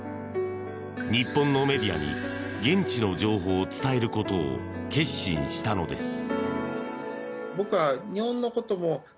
日本のメディアに、現地の情報を伝えることを決心したのです。